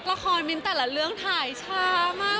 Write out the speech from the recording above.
ละครมิ้นแต่ละเรื่องถ่ายช้ามาก